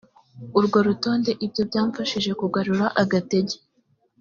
urwo rutonde ibyo byamfashije kugarura agatege